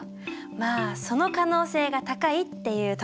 まあその可能性が高いっていうところかな。